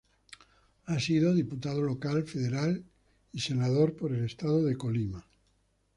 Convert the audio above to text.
Ha sido diputado local, federal y senador por el estado de Colima.